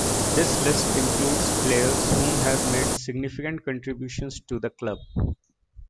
This list includes players whom have made significant contributions to the club.